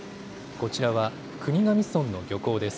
こちらは国頭村の漁港です。